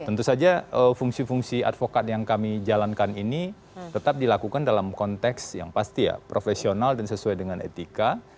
tentu saja fungsi fungsi advokat yang kami jalankan ini tetap dilakukan dalam konteks yang pasti ya profesional dan sesuai dengan etika